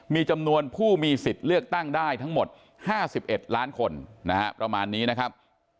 มีจำนวนผู้มีสิทธิ์เลือกตั้งได้ทั้งหมด๕๑ล้านคนนะฮะประมาณนี้นะครับ